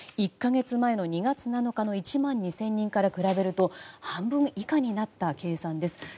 １か月前の２月７日の１万２０００人と比べると半分以下になった計算です。